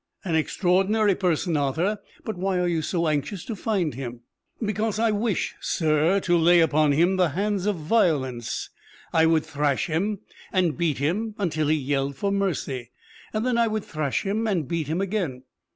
"An extraordinary person, Arthur. But why are you so anxious to find him?" "Because I wish, sir, to lay upon him the hands of violence. I would thrash him and beat him until he yelled for mercy, and then I would thrash him and beat him again.